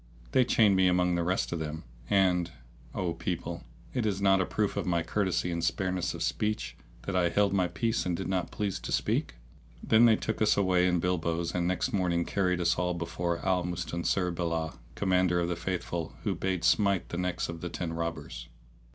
They chained me among the rest of them; and, O people, is it not a proof of my courtesy and spareness of speech, that I held my peace and did not please to speak? Then they took us away in bilbos and next morning carried us all before Al Mustansir bi'llah, Commander of the Faithful, who bade smite the necks of the ten robbers.